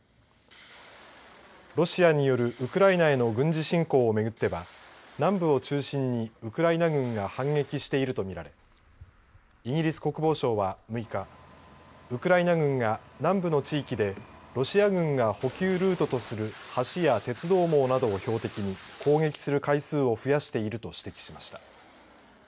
ロシアによるウクライナへの軍事侵攻を巡っては南部を中心にウクライナ軍が反撃していると見られイギリス国防省は６日ウクライナ軍が南部の地域でロシア軍が補給ルートとする橋や鉄道網などを標的に攻撃する回数を増やしていると指摘しました。